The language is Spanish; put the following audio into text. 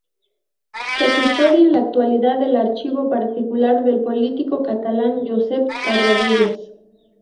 Se custodia en la actualidad el archivo particular del político catalán Josep Tarradellas.